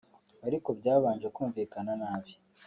ariko byabanje kumvikana nabi